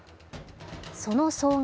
その総額